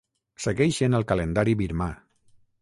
Segueixen el calendari birmà.